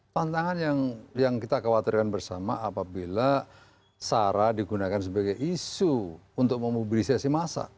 tantangan yang kita khawatirkan bersama apabila sarah digunakan sebagai isu untuk memobilisasi masa